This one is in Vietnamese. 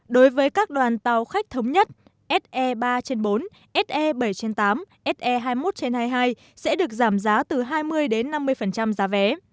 đối với các đoàn tàu khách thống nhất se ba bốn se bảy tám se hai mươi một hai mươi hai sẽ được giảm giá từ hai mươi năm mươi giá vé